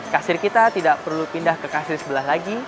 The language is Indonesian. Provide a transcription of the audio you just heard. kasir kita tidak perlu pindah ke kasir sebelah lagi